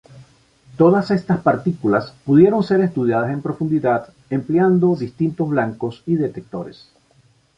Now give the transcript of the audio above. Todas estas partículas pudieron ser estudiadas en profundidad empleando distintos blancos y detectores.